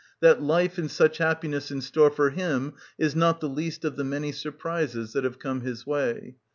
That life had such happiness in store for him is not the least of the many surprises that have come his way.